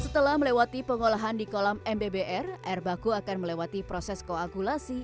setelah melewati pengolahan di kolam mbbr air baku akan melewati proses koagulasi